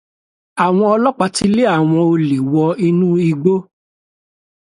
Àwọn ọlọ́pàá ti lé àwọn olè wọ inú igbó.